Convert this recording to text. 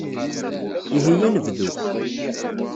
Ihi ad nebdu.